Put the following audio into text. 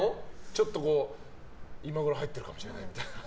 ちょっと今ごろ入ってるかもしれないみたいな。